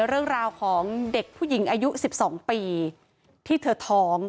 เรื่องราวของเด็กผู้หญิงอายุ๑๒ปีที่เธอท้อง